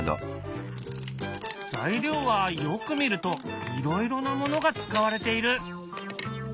材料はよく見るといろいろなものが使われている。